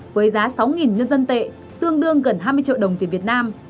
với giá sáu nhân dân tệ tương đương gần hai mươi triệu đồng tiền việt nam